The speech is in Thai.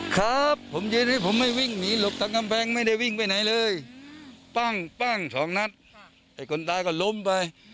ครับผมยืนให้ผมไม่วิ่งหนีหลบทางกำแพงไม่ได้วิ่งไปไหนเลยปั้งปั้งสองนัดไอ้คนตายก็ล้มไป